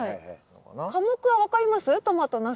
科目は分かります？